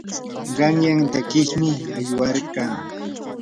qanyan takiymi aywarqaa.